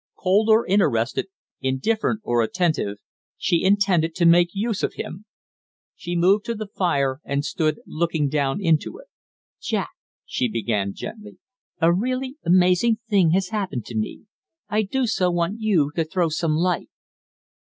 Cold or interested, indifferent or attentive, she intended to make use of him. She moved to the fire and stood looking down into it. "Jack," she began, gently, "a really amazing thing has happened to me. I do so want you to throw some light."